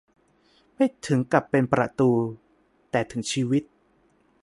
ไม่ถึงกับเป็นประตู แต่ถึงชีวิต